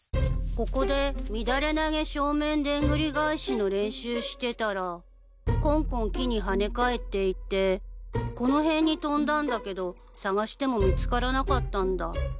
ここで乱れ投げ正面でんぐり返しの練習してたらコンコン木に跳ね返っていってこの辺に飛んだんだけど捜しても見つからなかったんだ。